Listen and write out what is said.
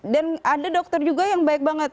dan ada dokter juga yang baik banget